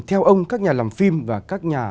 theo ông các nhà làm phim và các nhà